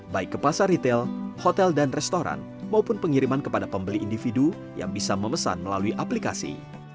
baik ke pasar ritel hotel dan restoran maupun pengiriman kepada pembeli individu yang bisa memesan melalui aplikasi